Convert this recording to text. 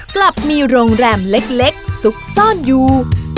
กลับมีโรงแรมเล็กซุกซ่อนอยู่